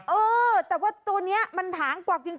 เออแต่ว่าตัวนี้มันถางกวักจริง